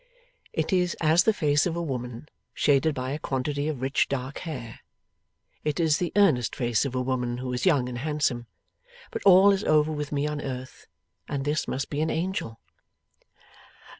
It is as the face of a woman, shaded by a quantity of rich dark hair. It is the earnest face of a woman who is young and handsome. But all is over with me on earth, and this must be an Angel.